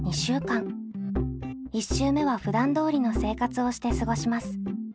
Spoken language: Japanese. １週目はふだんどおりの生活をして過ごします。